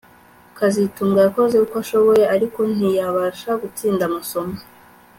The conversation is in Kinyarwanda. kazitunga yakoze uko ashoboye ariko ntiyabasha gutsinda amasomo